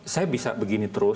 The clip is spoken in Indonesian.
saya bisa begini terus